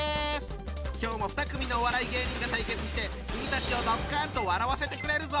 今日も２組のお笑い芸人が対決して君たちをドッカンと笑わせてくれるぞ。